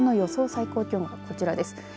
最高気温はこちらです。